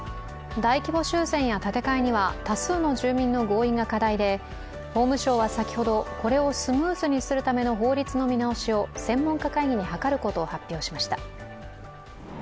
大規模修繕や建て替えには多数の住民の合意が課題で法務省は先ほど、これをスムーズにするための法律の見直しを専門家会議に諮ることを発表しました。